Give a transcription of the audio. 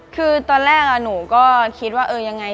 คือตอนแรกหนูก็คิดว่าเออยังไง